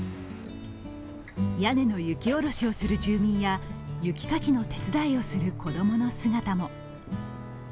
屋根の雪下ろしをする住民や雪かきの手伝いをする子供の姿も。